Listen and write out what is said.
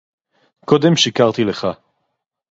קודם שיקרתי לך.